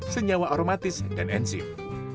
senyawa aromatis dan enzim